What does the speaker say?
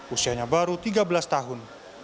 usianya baru tiga belas tahun